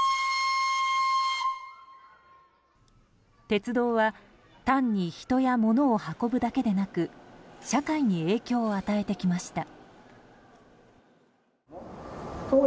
鉄道は単に人や物を運ぶだけでなく社会に影響を与えてきました。